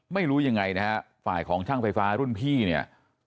ไม่รู้ยังไงนะฮะฝ่ายของช่างไฟฟ้ารุ่นพี่เนี่ย